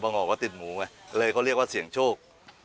บอกว่าติดหมูไงเลยเขาเรียกว่าเสี่ยงโชค